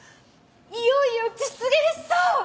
いよいよ実現しそう！